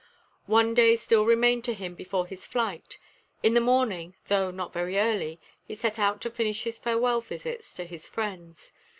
One day still remained to him before his flight. In the morning, though not very early, he set out to finish his farewell visits to his friends.